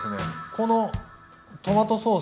このトマトソース。